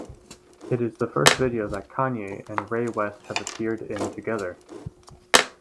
It is the first video that Kanye and Ray West have appeared in together.